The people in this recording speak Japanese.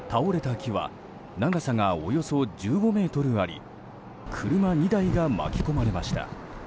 木は長さがおよそ１５ｍあり車２台が巻き込まれました。